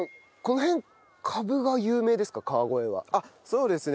そうですね。